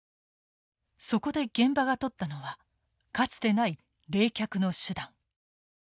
そこで現場がとったのはかつてない冷却の手段。